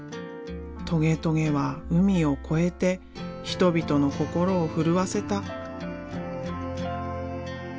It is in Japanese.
トゲトゲは海を越えて人々の心を震わせた。